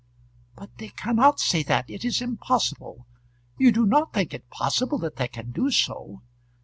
"But they cannot say that; it is impossible. You do not think it possible that they can do so?"